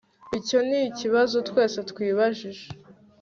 Icyo nikibazo twese twibajije